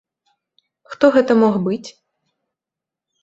Хто гэта мог быць?